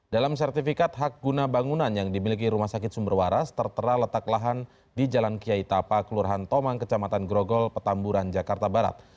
dalam sertifikat hak guna bangunan yang dimiliki rumah sakit sumber waras tertera letak lahan di jalan kiai tapa kelurahan tomang kecamatan grogol petamburan jakarta barat